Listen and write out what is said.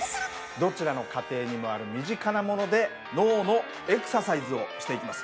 どちらの家庭にもある身近なもので脳のエクササイズをしていきます。